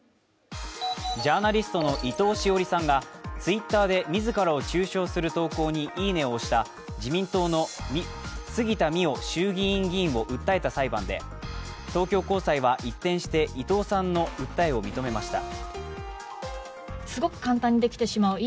ジャーナリストの伊藤詩織さんがＴｗｉｔｔｅｒで自らを中傷する投稿にいいねを押した自民党の杉田水脈衆議院議員を訴えた裁判で、東京高裁は一転して伊藤さんの訴えを認めました。